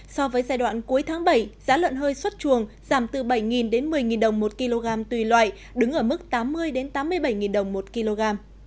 so với giai đoạn cuối tháng bảy giá lợn hơi xuất chuồng giảm từ bảy đến một mươi đồng một kg tùy loại đứng ở mức tám mươi tám mươi bảy đồng một kg